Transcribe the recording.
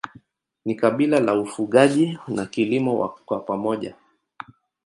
Ni kabila la ufugaji na kilimo kwa pamoja.